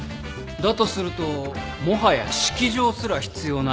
だとするともはや式場すら必要ないのでは？